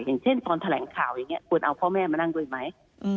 อย่างเช่นตอนแถลงข่าวอย่างนี้ควรเอาพ่อแม่มานั่งด้วยไหม